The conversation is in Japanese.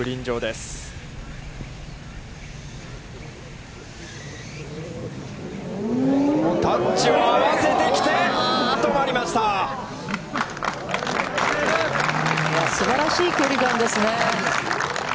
すばらしい距離感ですね。